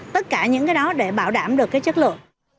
tất cả những cái đó để bảo đảm được cái chất lượng